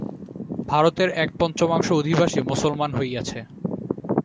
ভারতের এক-পঞ্চমাংশ অধিবাসী মুসলমান হইয়াছে।